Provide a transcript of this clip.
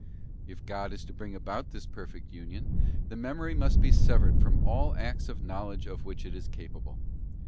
If God is to bring about this Perfect Union, the Memory must be severed from all acts of knowledge of which it is capable.